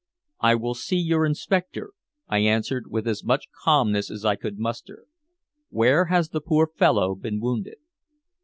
"I will see your inspector," I answered with as much calmness as I could muster. "Where has the poor fellow been wounded?"